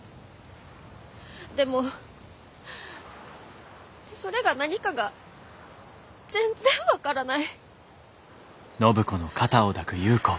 でもそれが何かが全然分からない。